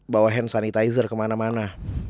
bawa hand sanitizer kemana mana